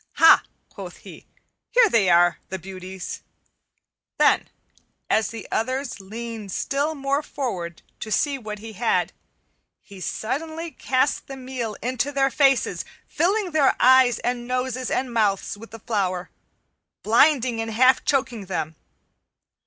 "Ha," quoth he, "here they are, the beauties." Then, as the others leaned still more forward to see what he had, he suddenly cast the meal into their faces, filling their eyes and noses and mouths with the flour, blinding and half choking them.